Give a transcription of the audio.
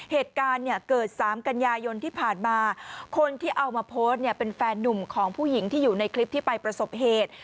เหตุการณ์เนี่ยเกิดสามกันยายนที่ผ่านมาคนที่เอามาโพสต์เนี่ยเป็นแฟนนุ่มของผู้หญิงที่อยู่ในคลิปที่ไปประสบเหตุ